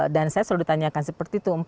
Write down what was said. dan saya selalu ditanyakan seperti itu